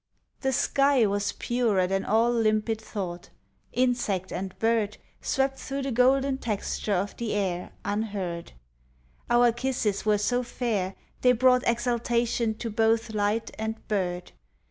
The sky was purer than all limpid thought; Insect and bird Swept through the golden texture of the air, Unheard; Our kisses were so fair they brought Exaltation to both light and bird.